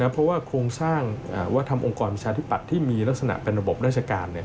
เพราะว่าโครงสร้างวัฒนธรรมองค์กรประชาธิปัตย์ที่มีลักษณะเป็นระบบราชการ